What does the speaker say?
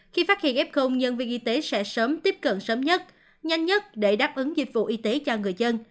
khi phát hiện f nhân viên y tế sẽ sớm tiếp cận sớm nhất nhanh nhất để đáp ứng dịch vụ y tế cho người dân